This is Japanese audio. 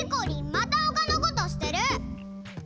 またほかのことしてる！